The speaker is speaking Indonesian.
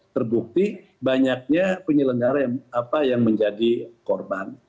terbukti banyaknya penyelenggara yang menjadi korban